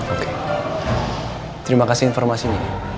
oke terima kasih informasi ini